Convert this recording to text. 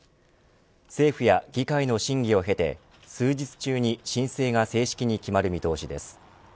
政府や議会の審議を経て数日中に申請が正式に決まる見通しです。